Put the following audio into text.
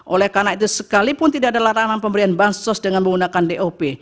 oleh karena itu sekalipun tidak ada larangan pemberian bansos dengan menggunakan dop